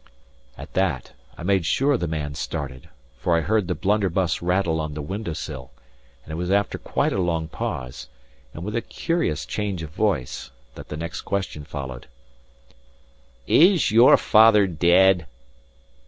At that, I made sure the man started, for I heard the blunderbuss rattle on the window sill; and it was after quite a long pause, and with a curious change of voice, that the next question followed: "Is your father dead?"